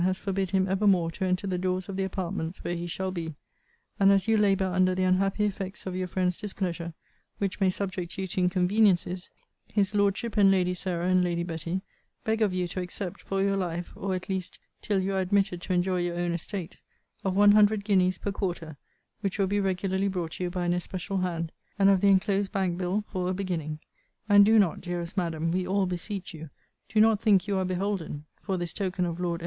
has forbid him ever more to enter the doors of the apartments where he shall be: and as you labour under the unhappy effects of your friends' displeasure, which may subject you to inconveniencies, his Lordship, and Lady Sarah, and Lady Betty, beg of you to accept, for your life, or, at least, till you are admitted to enjoy your own estate, of one hundred guineas per quarter, which will be regularly brought you by an especial hand, and of the enclosed bank bill for a beginning. And do not, dearest Madam, we all beseech you, do not think you are beholden (for this token of Lord M.'